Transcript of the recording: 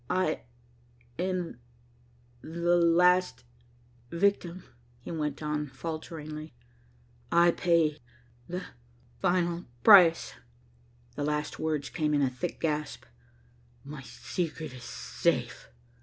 "I am the last victim," he went on falteringly. "I pay the final price." The last words came in a thick gasp, "My secret is safe."